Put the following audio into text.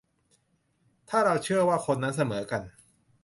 ถ้าเราเชื่อว่าคนนั้นเสมอกัน ?